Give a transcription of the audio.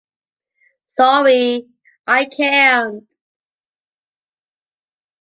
Sorry, I can’t.